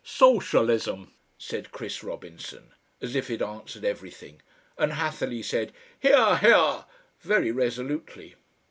"Socialism," said Chris Robinson, as if it answered everything, and Hatherleigh said "Hear! Hear!" very resolutely.